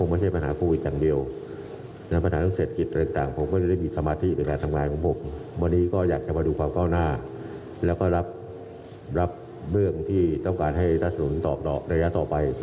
ไงให้ประเทศไทยอยู่กับโควิดให้ได้